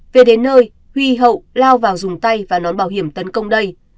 về đến nơi huy hậu lao vào dùng tay và nón bảo hiểm tấn công đây